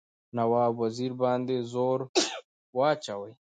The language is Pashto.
نواب وزیر باندي زور واچوي.